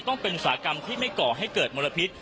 อุตสาหกรรมที่ไม่ก่อให้เกิดมลพิษ